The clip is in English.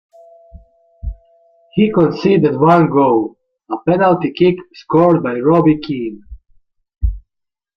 He conceded one goal, a penalty kick scored by Robbie Keane.